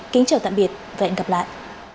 kính chào tạm biệt và hẹn gặp lại